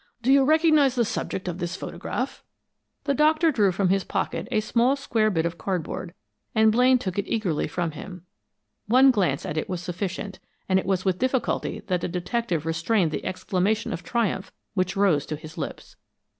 Do you recognize the subject of this photograph?" The doctor drew from his pocket a small square bit of cardboard, and Blaine took it eagerly from him. One glance at it was sufficient, and it was with difficulty that the detective restrained the exclamation of triumph which rose to his lips.